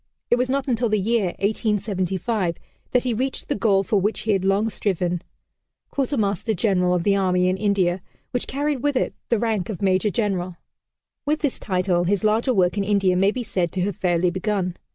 It was not until the year 1875, that he reached the goal for which he had long striven Quartermaster General of the Army in India, which carried with it the rank of Major General. With this title his larger work in India may be said to have fairly begun.